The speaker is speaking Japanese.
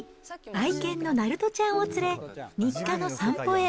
愛犬のなるとちゃんを連れ、日課の散歩へ。